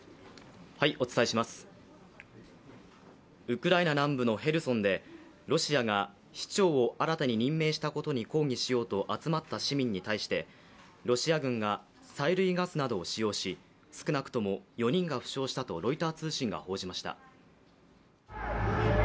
ウクライナ南部のヘルソンでロシアが市長を新たに任命したことに抗議しようと集まった市民に対して、ロシア軍が催涙ガスなどを使用し、少なくとも４人が負傷したとロイター通信が報じました。